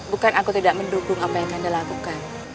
bukan aku tidak mendukung apa yang anda lakukan